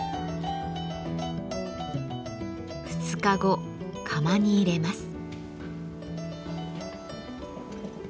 ２日後窯に入れます。